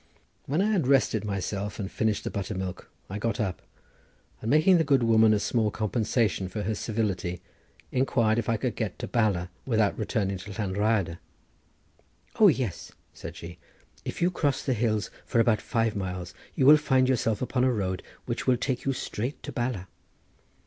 When I had rested myself and finished the buttermilk I got up, and, making the good woman a small compensation for her civility, inquired if I could get to Bala without returning to Llan Rhyadr. "O yes," said she, "if you cross the hills for about five miles you will find yourself upon a road which will take you straight to Bala."